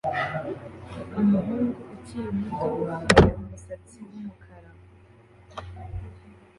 Umuhungu ukiri muto ufite umusatsi wumukara